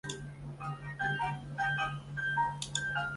这些都使得机场具备了开办国际航线的条件。